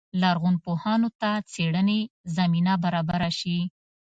لرغونپوهانو ته څېړنې زمینه برابره شي.